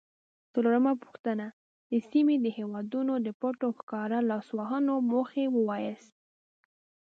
څلورمه پوښتنه: د سیمې د هیوادونو د پټو او ښکاره لاسوهنو موخې ووایاست؟